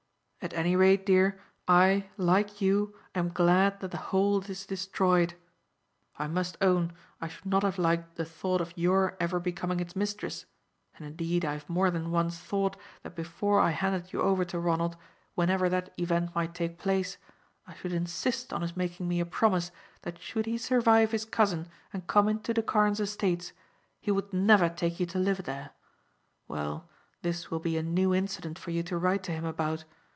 At any rate, dear, I, like you, am glad that The Hold is destroyed. I must own I should not have liked the thought of your ever becoming its mistress, and indeed I have more than once thought that before I handed you over to Ronald, whenever that event might take place, I should insist on his making me a promise that should he survive his cousin and come into the Carnes' estates, he would never take you to live there. Well, this will be a new incident for you to write to him about.